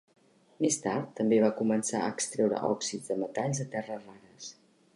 Més tard, també va començar a extreure òxids de metalls de terres rares.